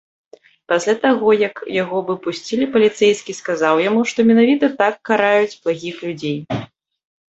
Пасля таго, як яго выпусцілі, паліцэйскі сказаў яму, што менавіта так караюць благіх людзей.